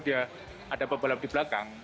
dia ada pebalap di belakang